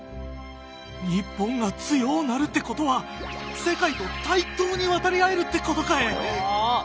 日本が強おなるってことは世界と対等に渡り合えるってことかえ！